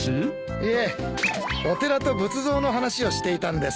いえお寺と仏像の話をしていたんです。